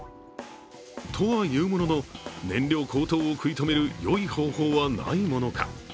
とはいうものの、燃料高騰を食い止めるよい方法はないものか。